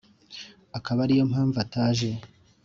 akaba ariyo mpamvu ataje